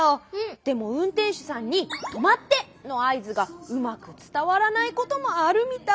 でもうんてんしゅさんに「とまって！」のあいずがうまくつたわらないこともあるみたい。